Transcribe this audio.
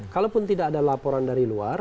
kalaupun tidak ada laporan dari luar